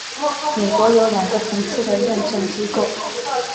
美国有两个层次的认证机构。